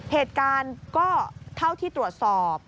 เหตุการณ์ก็เท่าที่ตรวจสอบ